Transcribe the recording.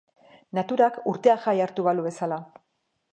Naturak urtea jai hartu balu bezala.